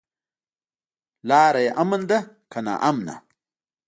لاره يې امن ده که ناامنه؟